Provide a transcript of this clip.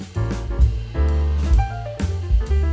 kok masih bisa